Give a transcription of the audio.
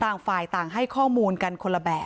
ต่างฝั่งในบอสคนขีดบิ๊กไบท์